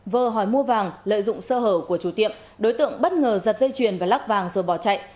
vờ hỏi mua vàng lợi dụng sơ hở của chủ tiệm đối tượng bất ngờ giật dây chuyền và lắc vàng rồi bỏ chạy